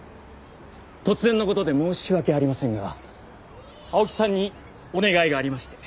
突然の事で申し訳ありませんが青木さんにお願いがありまして。